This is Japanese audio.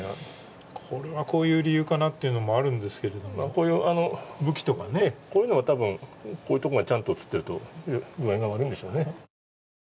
これはこういう理由かなというものもあるんですけれども、こういう武器とか、こういうのは多分こういところがちゃんと写っているとぐあいが悪いんでしょうね。